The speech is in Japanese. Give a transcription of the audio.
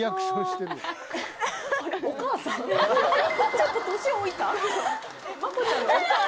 ちょっと年老いた？